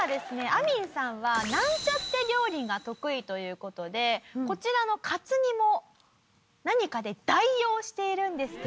あみんさんはなんちゃって料理が得意という事でこちらのカツ煮も何かで代用しているんですけども。